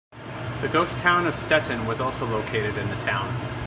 The ghost town of Stettin was also located in the town.